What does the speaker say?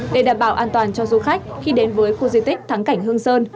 để đảm bảo an toàn cho du khách khi đến với khu di tích thắng cảnh hương sơn